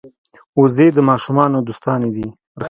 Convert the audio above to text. وزې د ماشومانو دوستانې دي